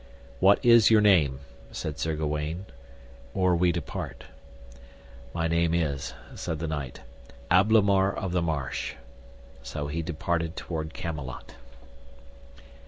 What is your name? said Sir Gawaine, or we depart. My name is, said the knight, Ablamar of the Marsh. So he departed toward Camelot.